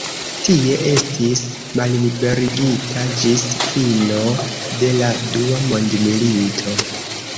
Tie estis malliberigita ĝis fino de la dua mondmilito.